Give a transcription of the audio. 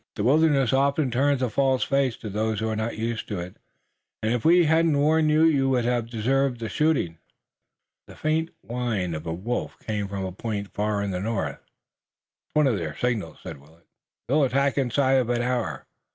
"The wilderness often turns a false face to those who are not used to it, and if we hadn't warned you we'd have deserved shooting." The faint whine of a wolf came from a point far in the north. "It's one of their signals," said Willet. "They'll attack inside of an hour."